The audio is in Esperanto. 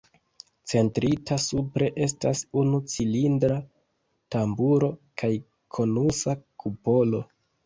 Centrita supre estas unu cilindra tamburo kaj konusa kupolo.